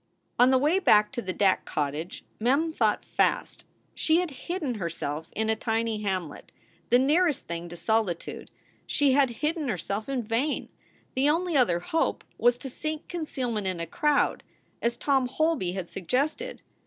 On the way back to the Dack cottage Mem thought fast. She had hidden herself in a tiny hamlet, the nearest thing to solitude. She had hidden herself in vain. The only other hope was to seek concealment in a crowd, as Tom Holby had suggested.